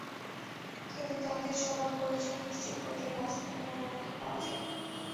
কিন্তু তাঁদের সবার পরিচয় নিশ্চিত করতে লাশ দেখার অনুমতি পাওয়া যায়নি।